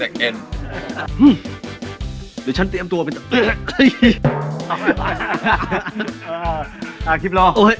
เขียนอ่ะเสียงอ่ะเด็กเอ็ด